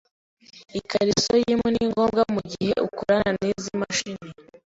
Ikariso yimpu ni ngombwa mugihe ukorana nizi mashini.